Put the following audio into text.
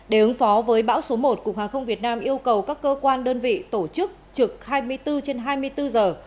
để ứng phó với bão số một cục hàng không việt nam yêu cầu các cơ quan đơn vị tổ chức trực hai mươi bốn trên hai mươi bốn giờ